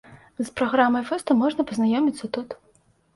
З праграмай фэсту можна пазнаёміцца тут.